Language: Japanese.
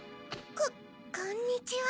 こんにちは。